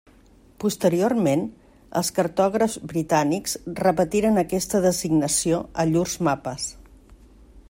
Posteriorment, els cartògrafs britànics repetiren aquesta designació a llurs mapes.